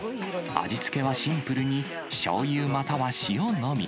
味付けはシンプルに、しょうゆまたは塩のみ。